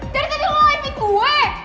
dari tadi lo maipi gue